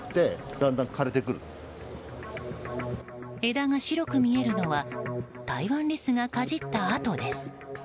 枝が白く見えるのはタイワンリスがかじった跡です。